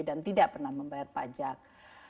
dan tidak pernah membayar pajak